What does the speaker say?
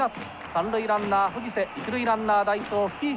三塁ランナー藤瀬一塁ランナー代走吹石。